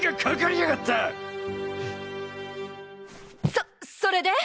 そそれで！？